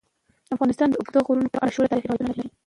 افغانستان د اوږده غرونه په اړه مشهور تاریخی روایتونه لري.